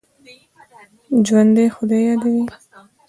ژوندي خدای یادوي